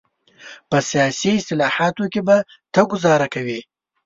په سیاسي اصطلاحاتو کې به ته ګوزاره کوې.